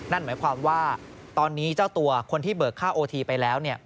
นั่นหมายความว่าตอนนี้เจ้าตัวคนที่เบิกค่าโอทีไปแล้ว